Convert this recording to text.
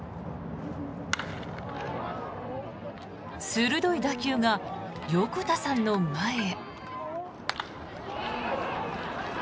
鋭い打球が横田さんの前へ。